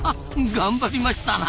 頑張りましたな。